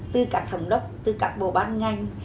tư cả thống đốc tư cả bộ ban ngành